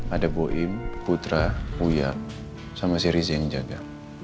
ada boim putra uya sama si riza yang jaga